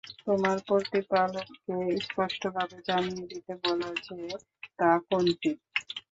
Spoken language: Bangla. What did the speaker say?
তোমার প্রতিপালককে স্পষ্টভাবে জানিয়ে দিতে বল যে, তা কোনটি?